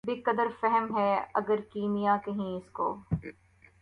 بہ قدرِ فہم ہے اگر کیمیا کہیں اُس کو